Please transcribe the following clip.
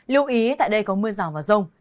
lưu ý tại đây có mưa rào và rông